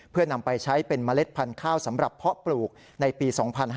เพื่อนำไปใช้เป็นเมล็ดพันธุ์ข้าวสำหรับเพาะปลูกในปี๒๕๕๙